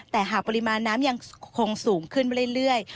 แต่หากปริมาณน้ำยังคงสูงขึ้นมาเรื่อย